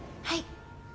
はい。